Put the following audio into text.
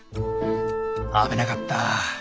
危なかった。